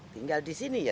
tinggal di sini ya